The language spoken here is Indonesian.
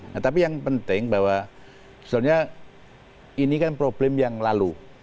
nah tapi yang penting bahwa sebenarnya ini kan problem yang lalu